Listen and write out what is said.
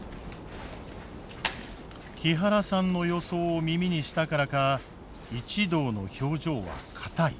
木原さんの予想を耳にしたからか一同の表情は硬い。